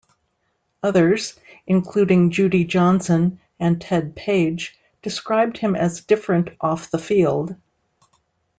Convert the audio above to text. Others, including Judy Johnson and Ted Page, described him as different off the field.